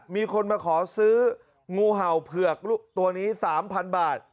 มีคนมาขอซื้องูเห่าเผือกตัวนี้๓๐๐๐บาท